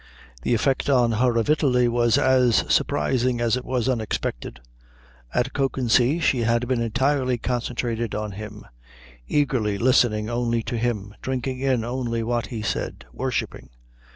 The effect on her of Italy was as surprising as it was unexpected. At Kökensee she had been entirely concentrated on him, eagerly listening only to him, drinking in only what he said, worshipping.